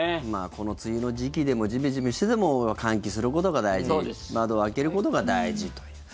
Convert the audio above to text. この梅雨の時期でもジメジメしてても換気することが大事窓を開けることが大事という。